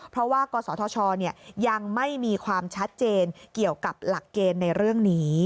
เพราะว่ากศธชยังไม่มีความชัดเจนเกี่ยวกับหลักเกณฑ์ในเรื่องนี้